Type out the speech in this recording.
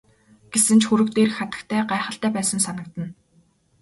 Гэсэн ч хөрөг дээрх хатагтай гайхалтай байсан санагдана.